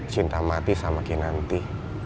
cinta mati sama kinanti